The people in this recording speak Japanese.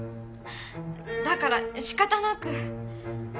だから仕方なく。